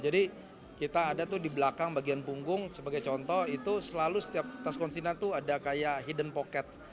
jadi kita ada tuh di belakang bagian punggung sebagai contoh itu selalu setiap tas konsina tuh ada kayak hidden pocket